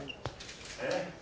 えっ？